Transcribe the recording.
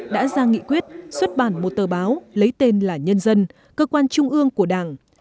đã ra nghị quyết xuất bản một tờ báo lấy tên là nhân dân cơ quan trung ương của đảng